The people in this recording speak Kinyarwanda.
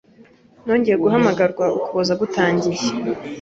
Nongeye guhamagarwa Ukuboza gutangiye